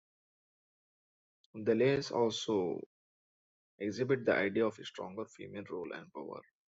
The lais also exhibit the idea of a stronger female role and power.